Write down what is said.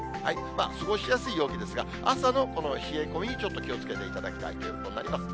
過ごしやすい陽気ですが、朝のこの冷え込みにちょっと気をつけていただきたいということになります。